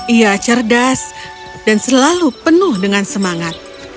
ia cerdas dan selalu penuh dengan semangat